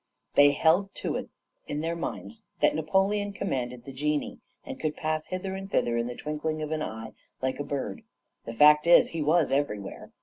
"They held to it in their minds that Napoleon commanded the genii, and could pass hither and thither in the twinkling of an eye, like a bird. The fact is, he was everywhere.